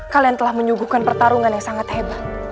kalian telah menyuguhkan pertarungan yang sangat hebat